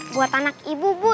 buat anak ibu bu